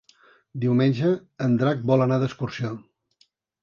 Diumenge en Drac vol anar d'excursió.